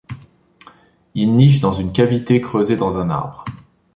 Ils nichent dans une cavité creusée dans un arbre.